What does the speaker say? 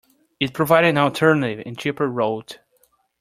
It provided an alternative and cheaper route.